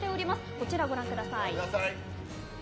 こちらご覧ください。